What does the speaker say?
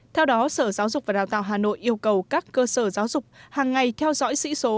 theo đó sở giáo dục và đào tạo hà nội yêu cầu các cơ sở giáo dục hàng ngày theo dõi sĩ số